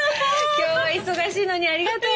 今日は忙しいのにありがとう。